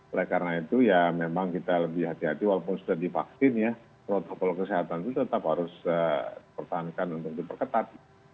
oleh karena itu ya memang kita lebih hati hati walaupun sudah divaksin ya protokol kesehatan itu tetap harus dipertahankan untuk diperketat